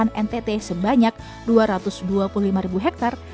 dan dengan ketersediaan persawahan ntt sebanyak dua ratus dua puluh lima ribu hektare